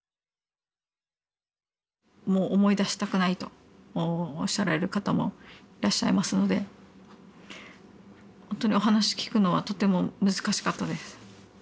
もう思い出したくないとおっしゃられる方もいらっしゃいますのでほんとにお話聞くのはとても難しかったです。